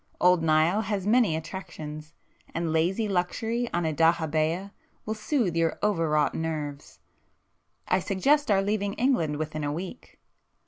Old Nile has many attractions; and lazy luxury on a dahabeah will soothe your overwrought nerves. I suggest our leaving England within a week."